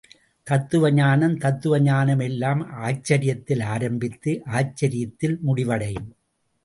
தத்துவ ஞானம் தத்துவ ஞானம் எல்லாம் ஆச்சரியத்தில் ஆரம்பித்து, ஆச்சரியத்தில் முடிவடையும்.